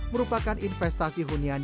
merupakan investasi yang sangat berharga